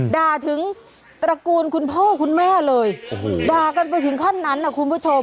ด่าถึงตระกูลคุณพ่อคุณแม่เลยโอ้โหด่ากันไปถึงขั้นนั้นนะคุณผู้ชม